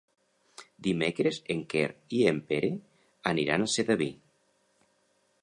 Dimecres en Quer i en Pere aniran a Sedaví.